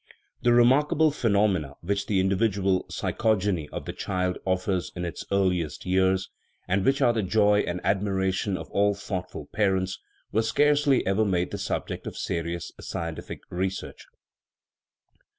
The remarkable phenomena which the individ ual psychogeny of the child offers in its earliest years, and which are the joy and admiration of all thoughtful parents, were scarcely ever made the subject of serious scientific research.